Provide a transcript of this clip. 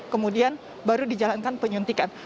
kemudian baru dijalankan penyuntikan